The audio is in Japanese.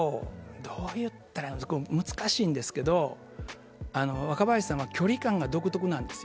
難しいんですけど、若林さんは距離感が独特なんですよ。